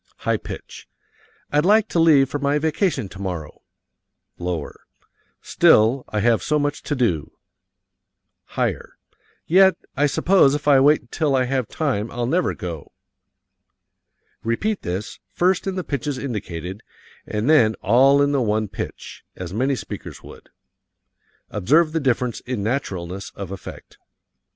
(High pitch) "I'd like to leave for my vacation tomorrow, (lower) still, I have so much to do. (Higher) Yet I suppose if I wait until I have time I'll never go." Repeat this, first in the pitches indicated, and then all in the one pitch, as many speakers would. Observe the difference in naturalness of effect.